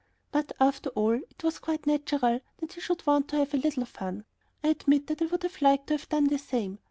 But after all, it was quite natural that he should want to have a little fun. I admit that I would liked to have done the same.